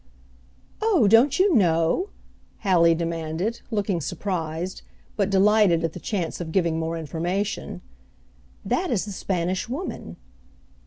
"Oh, don't you know?" Hallie demanded, looking surprised, but delighted at the chance of giving more information. "That is the Spanish Woman."